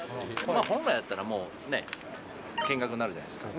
本来だったらもうね、見学になるじゃないですか。